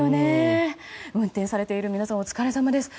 運転されている皆さんお疲れさまです。